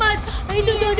aduh aduh aduh